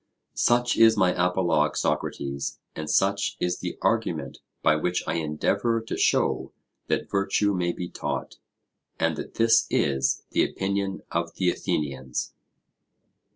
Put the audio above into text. Such is my Apologue, Socrates, and such is the argument by which I endeavour to show that virtue may be taught, and that this is the opinion of the Athenians.